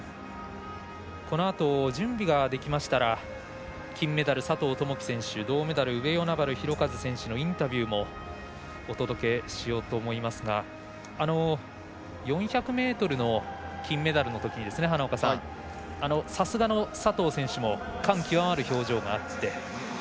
このあと、準備ができましたら金メダル、佐藤友祈選手銅メダル、上与那原寛和選手のインタビューもお届けしようと思いますが４００ｍの金メダルのときにさすがの佐藤選手も感極まる表情があって。